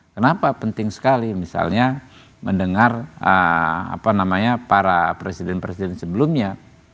kenapa penting sekali misalnya mendengar para presiden presiden sebelumnya